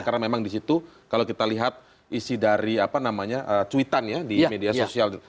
karena memang di situ kalau kita lihat isi dari apa namanya cuitan ya di media sosial